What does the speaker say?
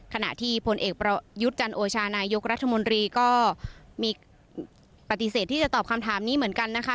ขณะที่พลเอกประยุทธ์จันโอชานายกรัฐมนตรีก็มีปฏิเสธที่จะตอบคำถามนี้เหมือนกันนะคะ